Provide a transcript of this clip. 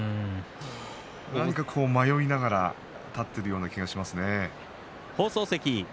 何か迷いながら立っている気がしますね。